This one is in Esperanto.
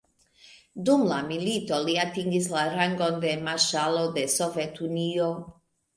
Dum la milito, li atingis la rangon de Marŝalo de Sovetunio.